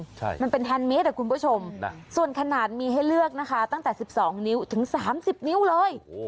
ใช่มันเป็นแฮนดอ่ะคุณผู้ชมส่วนขนาดมีให้เลือกนะคะตั้งแต่๑๒นิ้วถึงสามสิบนิ้วเลย